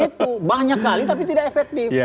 itu banyak kali tapi tidak efektif